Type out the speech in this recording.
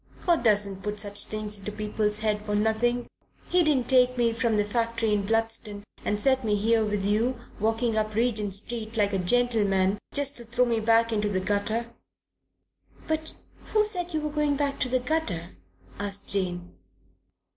God doesn't put such things into people's heads for nothing. He didn't take me from the factory in Bludston and set me here with you, walking up Regent Street, like a gentleman, just to throw me back into the gutter." "But who said you were going back to the gutter?" asked Jane.